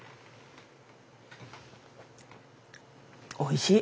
おいしい。